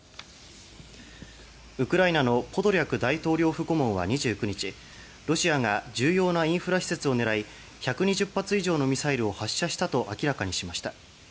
ウクライナのポドリャク大統領府顧問は２９日ロシアが重要なインフラ施設を狙い１２０発以上のミサイルを発射したと明らかにしました。